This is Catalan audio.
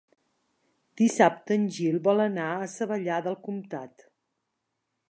Dissabte en Gil vol anar a Savallà del Comtat.